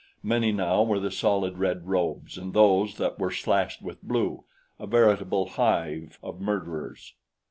Many now were the solid red robes and those that were slashed with blue a veritable hive of murderers.